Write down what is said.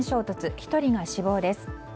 １人が死亡です。